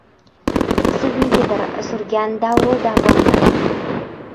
Siznikidir surgan davru-davronlarim